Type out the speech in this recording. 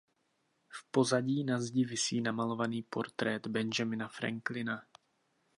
V pozadí na zdi visí namalovaný portrét Benjamina Franklina.